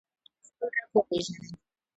خپل رب وپیژنئ